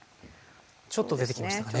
ちょっと出てきましたかね。